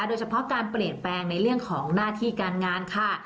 โดยเฉพาะการเปลี่ยนแปลงในเรื่องของหน้าที่การงานค่ะ